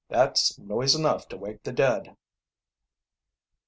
"That's noise enough to wake the dead."